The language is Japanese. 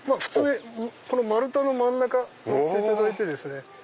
この丸太の真ん中乗っていただいてですね。